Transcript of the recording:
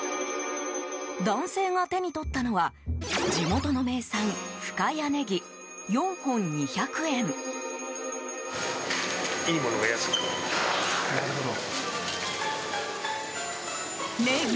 男性が手に取ったのは地元の名産、深谷ねぎ。